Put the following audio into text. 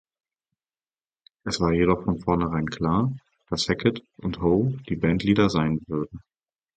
Es war jedoch von vornherein klar, dass Hackett und Howe die Bandleader sein würden.